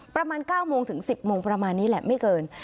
ประมาณ๙โมงถึง๑๐โมงประมาณนี้แหละไม่เกิน